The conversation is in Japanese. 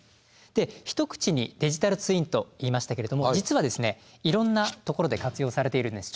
で一口にデジタルツインと言いましたけれども実はですねいろんなところで活用されているんです。